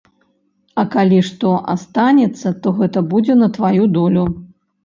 А калі што астанецца, то гэта будзе на тваю долю.